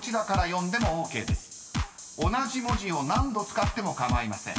［同じ文字を何度使っても構いません］